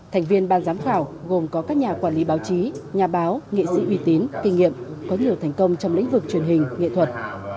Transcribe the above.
thành viên ban giám khảo gồm có các nhà quản lý báo chí nhà báo nghệ sĩ uy tín kinh nghiệm có nhiều thành công trong lĩnh vực truyền hình nghệ thuật